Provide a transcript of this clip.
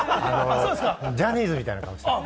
ジャニーズみたいな顔しています。